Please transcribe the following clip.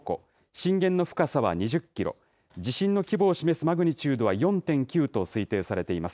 震源の深さは２０キロ、地震の規模を示すマグニチュードは４．９と推定されています。